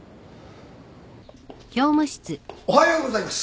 おはようございます。